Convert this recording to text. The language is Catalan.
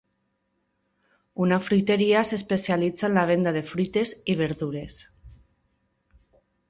Una fruiteria s"especialitza en la venda de fruites i verdures.